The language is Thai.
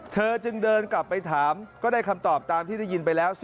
เธอจึงเดินกลับไปถามก็ได้คำตอบตามที่ได้ยินไปแล้ว